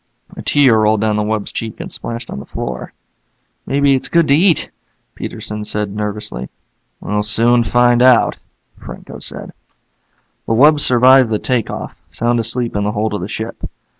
A tear rolled down the wub's cheek and splashed on the floor. "Maybe it's good to eat," Peterson said nervously. "We'll soon find out," Franco said. The wub survived the take off, sound asleep in the hold of the ship.